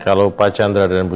kalau pak chandra dan bu